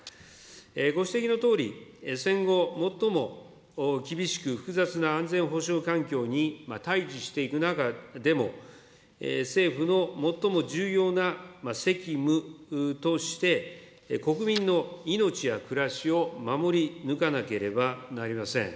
ご指摘のとおり、戦後最も厳しく複雑な安全保障環境に対じしていく中でも、政府の最も重要な責務として、国民の命や暮らしを守り抜かなければなりません。